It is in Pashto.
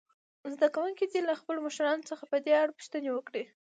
زده کوونکي دې له خپلو مشرانو څخه په دې اړه پوښتنې وکړي.